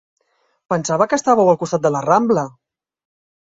Pensava que estàveu al costat de la Rambla.